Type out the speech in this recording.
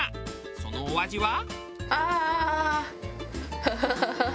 そのお味は？